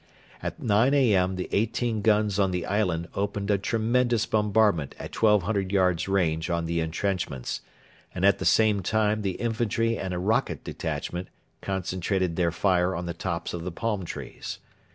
At 9 A.M. the eighteen guns on the island opened a tremendous bombardment at 1,200 yards range on the entrenchments, and at the same time the infantry and a rocket detachment concentrated their fire on the tops of the palm trees.